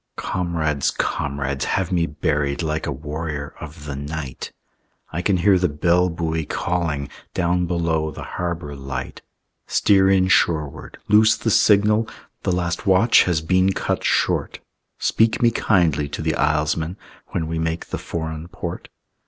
Comrades, comrades, have me buried Like a warrior of the night. I can hear the bell buoy calling Down below the harbor light Steer in shoreward, loose the signal, The last watch has been cut short; Speak me kindly to the islesmen, When we make the foreign port.